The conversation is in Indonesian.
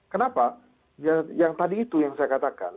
kenapa yang tadi itu yang saya katakan